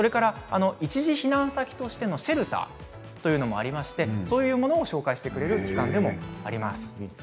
一時避難先としてのシェルターもありましてそういうものを紹介してくれる機関でもあります。